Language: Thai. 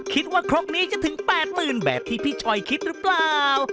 คิดว่าครบนี้จะถึง๘หมื่นแบบที่พี่ชอยคิดหรือเปล่า